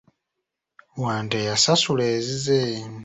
Wante yasasula ezize.